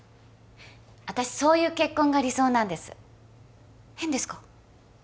私そういう結婚が理想なんです変ですか？